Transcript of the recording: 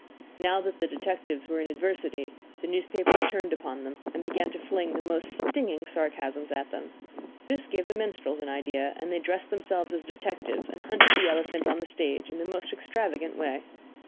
Now that the detectives were in adversity, the newspapers turned upon them, and began to fling the most stinging sarcasms at them. This gave the minstrels an idea, and they dressed themselves as detectives and hunted the elephant on the stage in the most extravagant way.